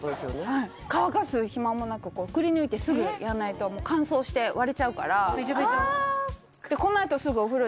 はい乾かす暇もなくこうくりぬいてすぐやらないと乾燥して割れちゃうからあじゃあ